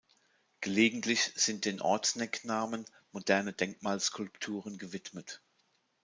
Gelegentlich sind den Ortsnecknamen moderne Denkmal-Skulpturen gewidmet.